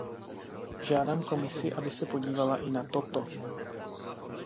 Žádám Komisi, aby se podívala i na toto.